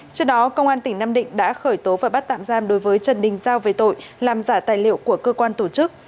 trước đó công an tỉnh nam định đã khởi tố và bắt tạm giam đối với trần đình giao về tội làm giả tài liệu của cơ quan tổ chức